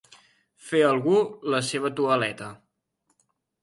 Fer algú la seva toaleta.